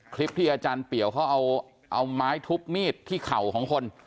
คลิปที่อาจารย์เปียวเขาเอาไม้ทุบมีดที่เข่าของคน